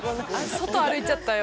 外歩いちゃったよ